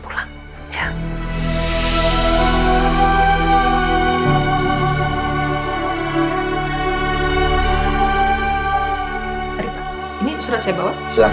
minyak yang lumayan terjaga steht dengan aku